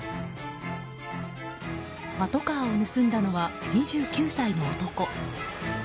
パトカーを盗んだのは２９歳の男。